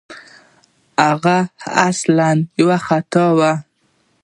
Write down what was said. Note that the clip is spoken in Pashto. هغه اصلاً یو خیاط وو.